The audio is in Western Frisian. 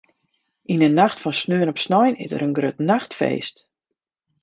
Yn 'e nacht fan sneon op snein is der in grut nachtfeest.